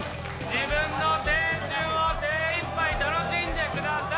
自分の青春を精いっぱい楽しんでください！